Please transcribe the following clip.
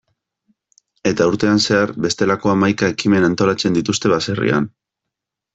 Eta urtean zehar, bestelako hamaika ekimen antolatzen dituzte baserrian.